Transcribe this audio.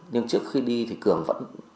nhưng trước khi đi thì cường vẫn